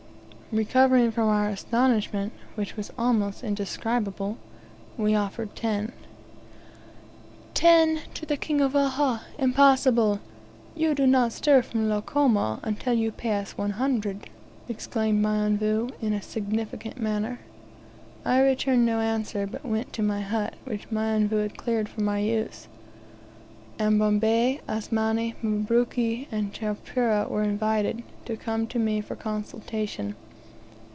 Recovering from our astonishment, which was almost indescribable, we offered TEN. "Ten! to the King of Uhha! Impossible. You do not stir from Lukomo until you pay us one hundred!" exclaimed Mionvu, in a significant manner. I returned no answer, but went to my hut, which Mionvu had cleared for my use, and Bombay, Asmani, Mabruki, and Chowpereh were invited to come to me for consultation.